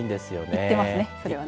行ってますね、それはね。